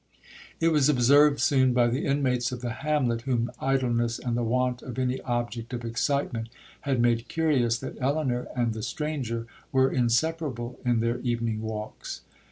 It was observed soon by the inmates of the hamlet, whom idleness and the want of any object of excitement had made curious, that Elinor and the stranger were inseparable in their evening walks.